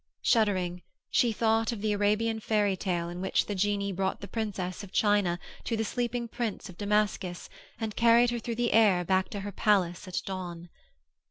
Shuddering, she thought of the Arabian fairy tale in which the genie brought the princess of China to the sleeping prince of Damascus and carried her through the air back to her palace at dawn.